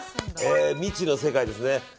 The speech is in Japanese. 未知の世界ですね。